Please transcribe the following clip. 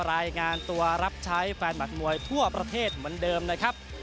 รายงานตัวรับใช้แฟนบัตรมวยทั่วประเทศเหมือนเดิมนะครับ